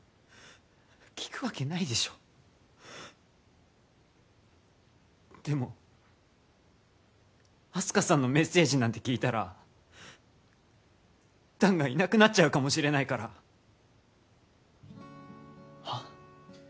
聞くわけないでしょでもあす花さんのメッセージなんて聞いたら弾がいなくなっちゃうかもしれないからはっ？